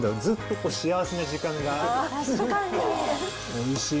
おいしい！